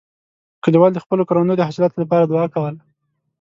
کلیوال د خپلو کروندو د حاصلاتو لپاره دعا کوله.